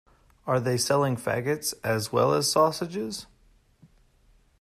Are they selling faggots as well as sausages?